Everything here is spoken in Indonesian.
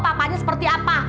papanya seperti apa